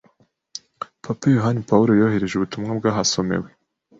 Papa Yohani Paulo yohereje ubutumwa bwahasomewe,